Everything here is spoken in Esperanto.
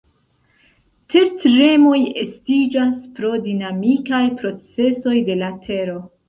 Tertremoj estiĝas pro dinamikaj procesoj de la tero.